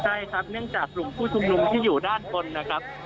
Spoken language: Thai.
ใช่ครับเนื่องจากกลุ่มผู้ชุมนุมที่อยู่ด้านบนนะครับ